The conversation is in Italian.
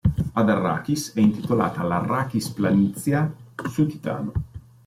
Ad Arrakis è intitolata l'Arrakis Planitia su Titano.